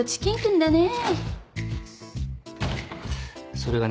・それがね